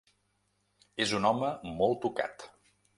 És un home molt tocat.